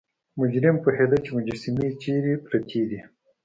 مجرم پوهیده چې مجسمې چیرته پرتې دي.